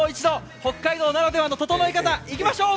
北海道ならではのととのい方、いきましょう！